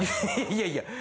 いやいや。